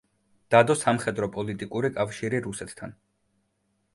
დადო სამხედრო-პოლიტიკური კავშირი რუსეთთან.